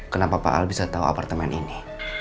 kenapa pak al bisa tahu apartemen ini